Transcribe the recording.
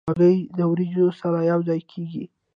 هګۍ د وریجو سره یو ځای کېږي.